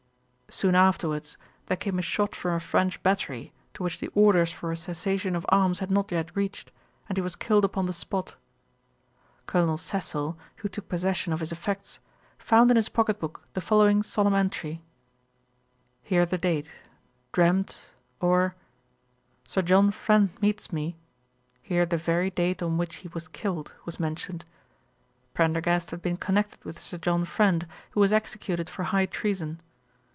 Soon afterwards, there came a shot from a French battery, to which the orders for a cessation of arms had not yet reached, and he was killed upon the spot. Colonel Cecil, who took possession of his effects, found in his pocket book the following solemn entry: [Here the date.] 'Dreamt or . Sir John Friend meets me:' (here the very day on which he was killed, was mentioned.) Prendergast had been connected with Sir John Friend, who was executed for high treason.